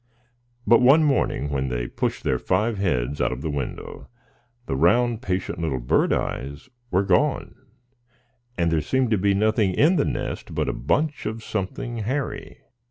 But one morning, when they pushed their five heads out of the window, the round, patient little bird eyes were gone, and there seemed to be nothing in the nest but a bunch of something hairy.